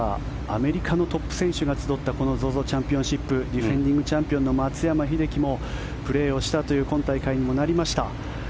アメリカのトップ選手が集ったこのＺＯＺＯチャンピオンシップディフェンディングチャンピオンの松山英樹もプレーをしたという今大会になりました。